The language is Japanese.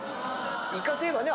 イカといえばね